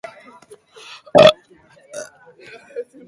Prozesu bat dago martxan eta urrats asko eman behar dira.